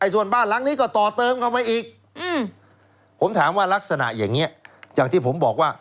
ส่วนบ้านหลังนี้ก็ต่อเติมเข้ามาอีกผมถามว่ารักษณะอย่างนี้อย่างที่ผมบอกว่า